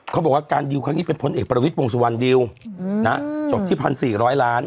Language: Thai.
เขาบอกว่าการดิวครั้งนี้เป็นพ้นเอกประวิทย์วงสุวรรณดิวอืมนะจบที่พันสี่ร้อยล้าน